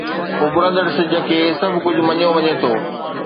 اڀرندڙ سج کي سڀ ڪجهه مڃيو وڃي ٿو.